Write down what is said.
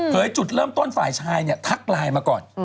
จุดเริ่มต้นฝ่ายชายเนี่ยทักไลน์มาก่อน